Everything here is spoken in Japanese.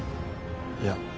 いや。